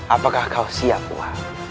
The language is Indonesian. apakah kau siap uwa